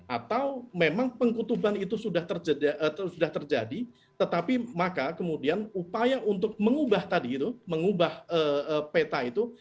atau memang pengkutuban itu sudah terjadi tetapi maka kemudian upaya untuk mengubah tadi itu mengubah peta itu